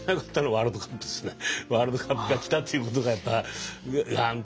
ワールドカップが来たっていうことがやっぱりガンと。